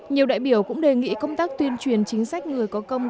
nhiều đại biểu cũng đề nghị công tác tuyên truyền chính sách người có công